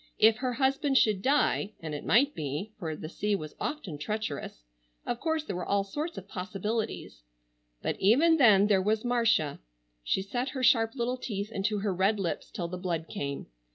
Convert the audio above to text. If her husband should die,—and it might be, for the sea was often treacherous—of course there were all sorts of possibilities,—but even then there was Marcia! She set her sharp little teeth into her red lips till the blood came.